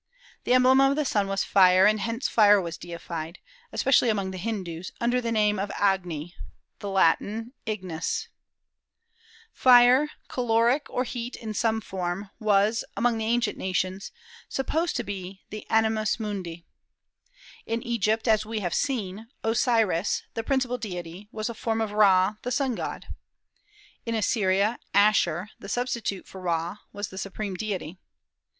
The emblem of the sun was fire, and hence fire was deified, especially among the Hindus, under the name of Agni, the Latin ignis. Fire, caloric, or heat in some form was, among the ancient nations, supposed to be the animus mundi. In Egypt, as we have seen, Osiris, the principal deity, was a form of Ra, the sun god. In Assyria, Asshur, the substitute for Ra, was the supreme deity.